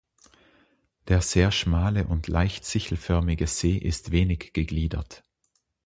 Der sehr schmale und leicht sichelförmige See ist wenig gegliedert.